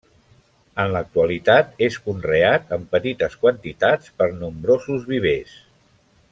En l'actualitat és conreat en petites quantitats per nombrosos vivers.